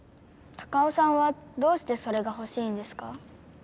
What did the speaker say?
タカオさんはどうしてそれがほしいんですか？